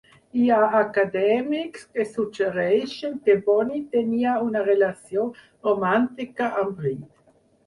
Hi ha acadèmics que suggereixen que Bonny tenia una relació romàntica amb Read.